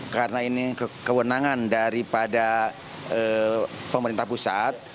karena ini kewenangan daripada pemerintah pusat